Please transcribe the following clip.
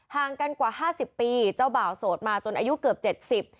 หางกันกว่า๕๐ปีเจ้าเบาโสดมาจนอายุเกือบ๗๐